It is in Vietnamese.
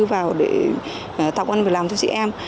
vào để tạo công an việc làm cho chị em